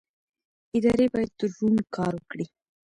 ادارې باید روڼ کار وکړي